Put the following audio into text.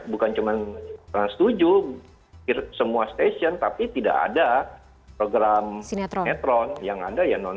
bukan cuma trans tujuh semua stasiun tapi tidak ada program sinetron